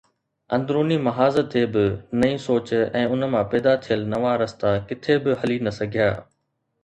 اندروني محاذ تي به نئين سوچ ۽ ان مان پيدا ٿيل نوان رستا ڪٿي به هلي نه سگهيا.